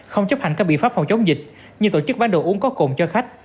không chấp hành các biện pháp phòng chống dịch như tổ chức bán đồ uống có cồn cho khách